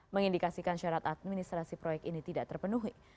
mengindikasikan syarat administrasi proyek ini tidak terpenuhi